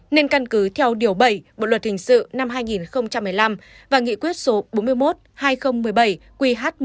nên căn cứ theo điều bảy bộ luật hình sự năm hai nghìn một mươi năm và nghị quyết số bốn mươi một hai nghìn một mươi bảy qh một mươi năm